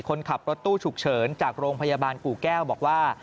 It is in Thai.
คนขับรถตู้ฉุกเฉินจากโรงพยาบาลกู่แก้วบอกว่า